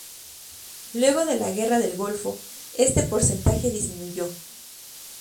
Luego de la Guerra del Golfo, este porcentaje disminuyó.